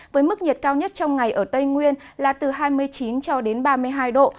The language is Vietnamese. với mức nhiệt cao nhất trong ngày ở tây nguyên là từ hai mươi chín ba mươi hai độ